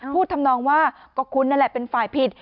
ทำนองว่าก็คุณนั่นแหละเป็นฝ่ายผิด